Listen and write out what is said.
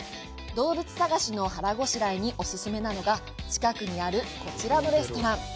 動物探しの腹ごしらえにお勧めなのが近くにある、こちらのレストラン。